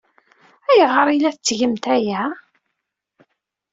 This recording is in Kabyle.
Ayɣer ay la tettgemt aya?